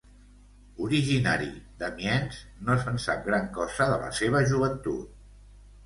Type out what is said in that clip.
Originari d'Amiens, no se'n sap gran cosa de la seva joventut.